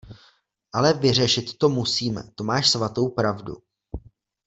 Ale vyřešit to musíme, to máš svatou pravdu.